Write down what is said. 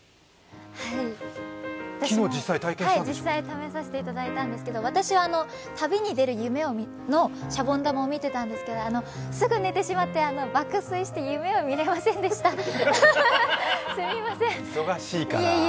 実際試させていただいたんですけど私は旅に出る夢のシャボン玉を見ていたんですけど、すぐ寝てしまって、爆睡して夢を見れませんでした、すみません忙しいからぁ。